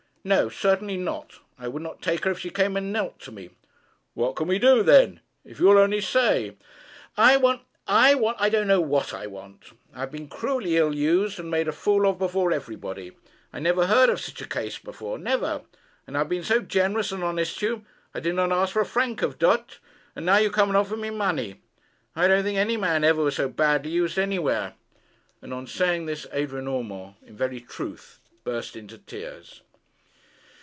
'No; certainly not. I would not take her if she came and knelt to me.' 'What can we do, then? If you will only say.' 'I want I want I don't know what I want. I have been cruelly ill used, and made a fool of before everybody. I never heard of such a case before; never. And I have been so generous and honest to you! I did not ask for a franc of dot; and now you come and offer me money. I don't think any man ever was so badly used anywhere.' And on saying this Adrian Urmand in very truth burst into tears.